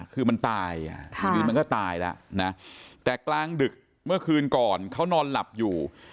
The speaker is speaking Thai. คือมันตายอยู่ดีมันก็ตายแล้วนะแต่กลางดึกเมื่อคืนก่อนเขานอนหลับอยู่